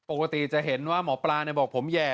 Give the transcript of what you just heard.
ปกติจะเห็นว่าหมอปลาบอกผมแห่